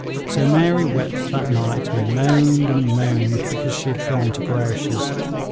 So Mary wept that night and moaned and moaned because she had gone to Grouche's.